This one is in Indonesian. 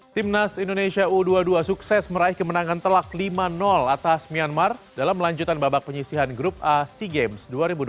timnas indonesia u dua puluh dua sukses meraih kemenangan telak lima atas myanmar dalam melanjutan babak penyisihan grup a sea games dua ribu dua puluh